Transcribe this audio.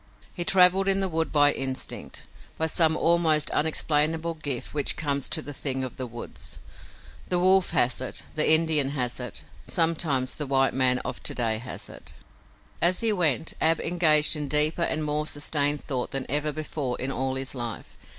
He traveled in the wood by instinct, by some almost unexplainable gift which comes to the thing of the woods. The wolf has it; the Indian has it; sometimes the white man of to day has it. As he went Ab engaged in deeper and more sustained thought than ever before in all his life.